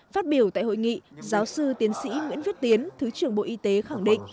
phát biểu tại hội nghị giáo sư tiến sĩ nguyễn viết tiến thứ trưởng bộ y tế khẳng định